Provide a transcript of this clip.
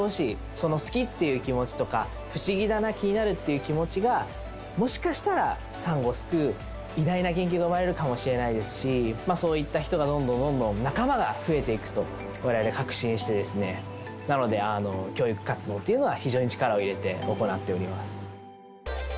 その好きっていう気持ちとか、不思議だな、気になるって気持ちが、もしかしたら、サンゴを救う偉大な研究が生まれるかもしれないですし、そういった人がどんどんどんどん、仲間が増えていくと、われわれは確信して、なので、教育活動というものは非常に力を入れて行っております。